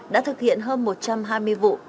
đã thực hiện hơn một trăm hai mươi vụ